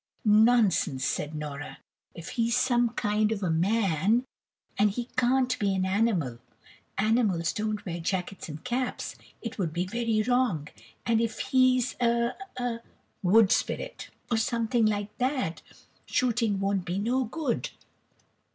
"Nonsense," said Nora, "if he's some kind of a man, and he can't be an animal animals don't wear jackets and caps it would be very wrong, and if he's a a wood spirit, or anything like that, shooting would be no good."